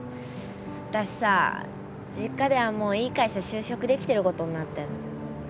私さ実家ではもういい会社就職できてることになってんの。